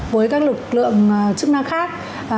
với các lực lượng chức năng khác